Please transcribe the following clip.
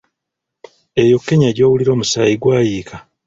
"Eyo Kenya gy’owulira, omusaayi gwayiika."